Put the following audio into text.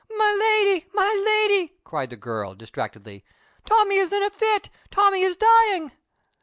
"My Lady! my Lady!" cried the girl, distractedly, "Tommie is in a fit? Tommie is dying!"